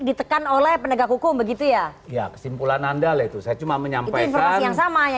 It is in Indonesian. ditekan oleh penegak hukum begitu ya ya kesimpulan anda itu saya cuma menyampaikan yang sama ya